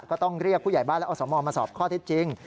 ก็ต้องเรียกผู้ใหญ่บ้านและอสมมาสอบข้อเท็จจริง